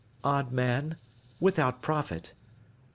"Odd man, without profit.